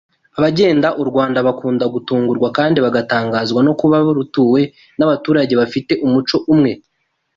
Abagenda u Rwanda bakunda gutungurwa kandi bagatangazwa no kuba rutuwe n’abaturage bafite umuco umwe